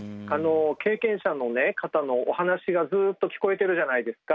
経験者の方のお話がずっと聞こえてるじゃないですか。